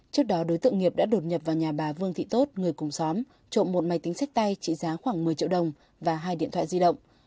trước đó đối tượng nghiệp đã đột nhập vào nhà bà vương thị tốt người cùng xóm trộm một máy tính sách tay trị giá khoảng một mươi triệu đồng và hai điện thoại di động